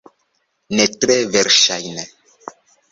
Ne tre verŝajne.